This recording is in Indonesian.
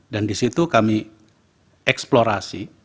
dan di situ kami eksplorasi